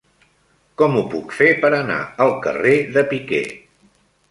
Com ho puc fer per anar al carrer de Piquer?